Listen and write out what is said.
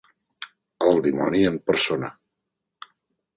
El dimoni en persona.